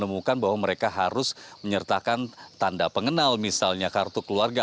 saya juga mengatakan bahwa mereka harus menyertakan tanda pengenal misalnya kartu keluarga